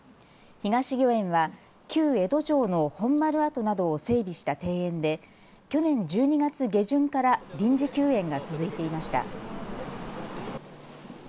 東御苑は旧江戸城の本丸跡などを整備した庭園で去年１２月下旬から臨時休園が続いていました。